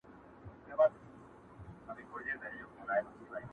خاورو او لمر، خټو یې وړي دي اصلي رنګونه!!